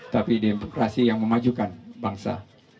tapi demokrasi yang memajukan bangsa